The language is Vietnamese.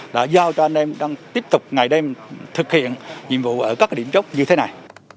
đã giao cho anh em đang tiếp tục ngày đêm thực hiện nhiệm vụ ở các điểm chốt như thế này